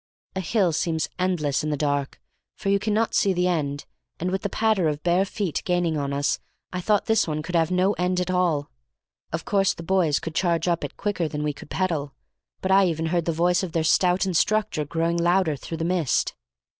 A hill seems endless in the dark, for you cannot see the end, and with the patter of bare feet gaining on us, I thought this one could have no end at all. Of course the boys could charge up it quicker than we could pedal, but I even heard the voice of their stout instructor growing louder through the mist.